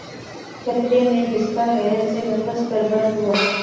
قطرہٴ مے بسکہ حیرت سے نفس پرور ہوا